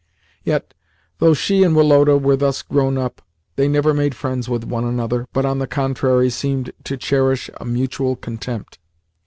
Yet, though she and Woloda were thus grown up, they never made friends with one another, but, on the contrary, seemed to cherish a mutual contempt.